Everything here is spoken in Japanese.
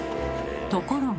ところが。